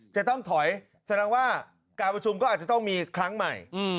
จะต้องถอยแสดงว่าการประชุมก็อาจจะต้องมีครั้งใหม่